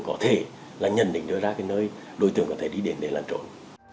có thể là nhận định ra nơi đối tượng có thể đi đến để làm trộn